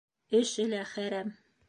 Эше лә хәрәм.